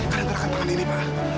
karena gerakan tangan ini pak